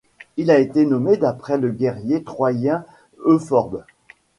Il a été nommé d'après le guerrier troyen Euphorbe.